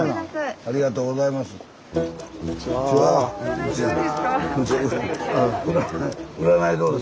ありがとうございます。